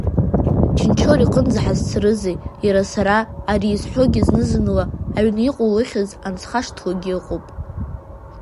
Чынчор иҟынӡа ҳазцари иара сара ари изҳәогьы знызынла аҩны иҟоу лыхьӡ ансхашҭлогьы ыҟоуп.